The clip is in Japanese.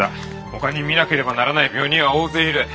ほかに診なければならない病人は大勢いる。